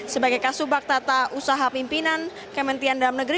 sebagai kasubag tata usaha pimpinan kementerian dalam negeri